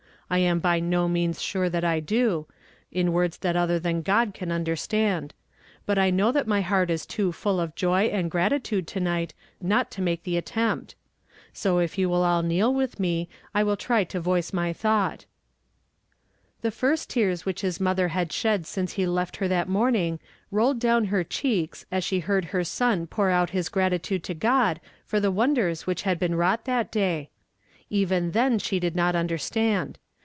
lam by no means sure that I do, in words that other than God can understand; but I know that my heart is too full of joy and gratitude to night not to make the attempt; so if you will all kneel with me I will try to voice my thought." The first teai s which his mother had shed since he left her that morning rolled down her cheeks as she heard her son pour out his gratitude to (iod for the wonders Avhich had been wrought that day. Even then she did not understand.